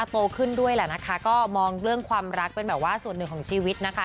โตขึ้นด้วยแหละนะคะก็มองเรื่องความรักเป็นแบบว่าส่วนหนึ่งของชีวิตนะคะ